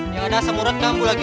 yang ada asam urat kamu lagi